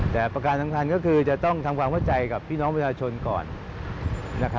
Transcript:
แต่ประการสำคัญก็คือจะต้องทำความเข้าใจกับพี่น้องประชาชนก่อน